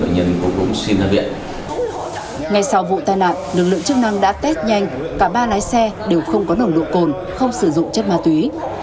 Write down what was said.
ngay sau vụ tai nạn lực lượng chức năng đã test nhanh cả ba lái xe đều không có nồng độ cồn không sử dụng chất ma túy